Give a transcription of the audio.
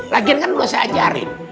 lagian kan udah saya ajarin